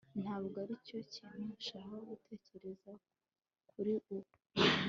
ntabwo aricyo kintu nshaka gutekereza kuri ubu